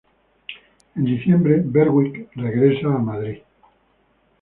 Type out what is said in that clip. En diciembre Berwick regresa a Madrid.